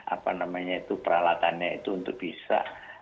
apa namanya itu peralatannya itu untuk bisa